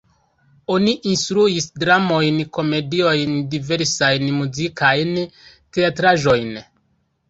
Oni instruis dramojn, komediojn, diversajn muzikajn teatraĵojn.